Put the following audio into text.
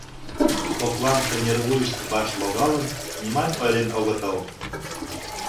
коклан кынервуйышт ваш логалын, нимат ойлен огытыл.